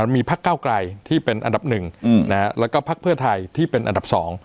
มีพักเก้าไกลที่เป็นอันดับหนึ่งแล้วก็พักเพื่อไทยที่เป็นอันดับ๒